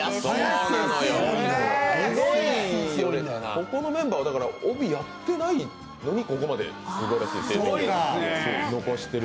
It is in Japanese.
ここのメンバーは帯やってないのに、ここまですばらしい成績を残してる。